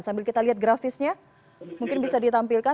sambil kita lihat grafisnya mungkin bisa ditampilkan